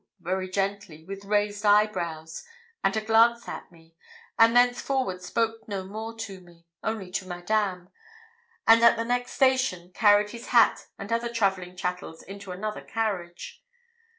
very gently, with raised eyebrows, and a glance at me, and thenceforward spoke no more to me, only to Madame, and at the next station carried his hat and other travelling chattels into another carriage.